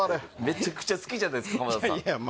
めちゃくちゃ好きじゃないですか浜田さん